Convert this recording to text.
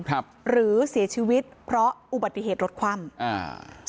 หรือเสียชีวิตเพราะอุบัติเหตุรถคว่ำอ่า